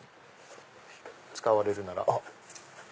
使われるなら。